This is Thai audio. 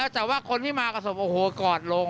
แต่ว่าคนที่มากับศพโอ้โหกอดลง